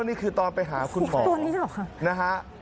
นี่คือตอนไปหาคุณหมอ